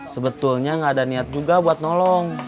sebetulnya gak ada niat juga buat nolong